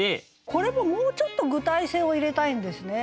これももうちょっと具体性を入れたいんですね。